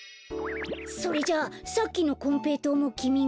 それじゃあさっきのこんぺいとうもきみが？